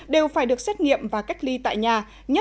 đều phải được xét nghiệm và cách ly tại nhà